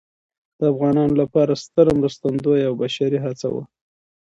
د افغانانو لپاره ستره مرستندویه او بشري هڅه وه.